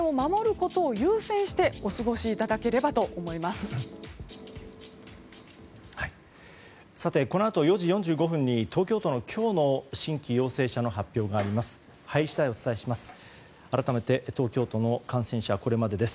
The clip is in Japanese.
このあと４時４５分に東京都の今日の新規陽性者の発表があります。